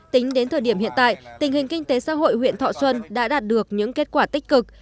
tính đến thời điểm hiện tại tình hình kinh tế xã hội huyện thọ xuân đã đạt được những kết quả tích cực